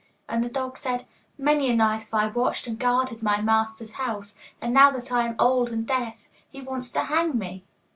And the dog said, 'Many a night have I watched and guarded my master's house, and now that I am old and deaf, he wants to hang me.